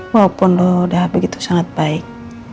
walaupun lo udah begitu sangat baik